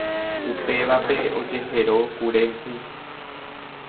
upévape ojehero kure hũ.